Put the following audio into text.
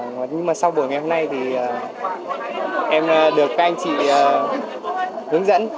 nhưng mà sau buổi ngày hôm nay thì em được các anh chị hướng dẫn